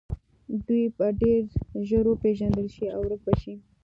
دوی به ډیر ژر وپیژندل شي او ورک به شي